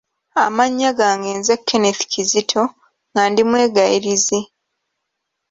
Amannya gange nze Kenneth Kizito nga ndi Mwegayirizi